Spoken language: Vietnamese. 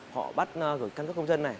họ bắt gửi căn cấp công dân này